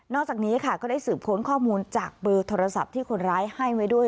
จากนี้ค่ะก็ได้สืบค้นข้อมูลจากเบอร์โทรศัพท์ที่คนร้ายให้ไว้ด้วย